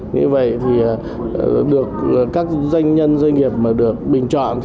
như vậy các doanh nhân doanh nghiệp được bình chọn